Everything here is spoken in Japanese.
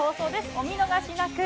お見逃しなく。